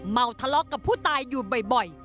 เมาทะเลาะกับผู้ตายอยู่บ่อย